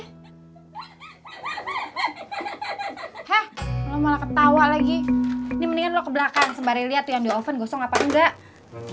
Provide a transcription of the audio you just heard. hah lo malah ketawa lagi ini mendingan lo ke belakang sembari lihat tuh yang di oven gosong apa enggak